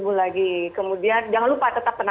mata klub lagi kemudian jangan lupa tetap